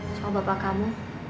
sama bapak kamu